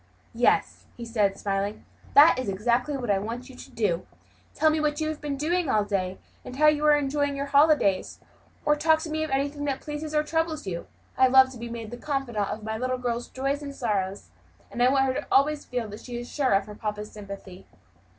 "Yes," he said, smiling, "that is exactly what I want you to do. Tell me what you have been doing all day, and how you are enjoying your holidays; or talk to me of anything that pleases, or that troubles you. I love to be made the confidant of my little girl's joys and sorrows; and I want her always to feel that she is sure of papa's sympathy."